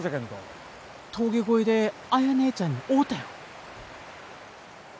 峠越えで綾ねえちゃんに会うたよ。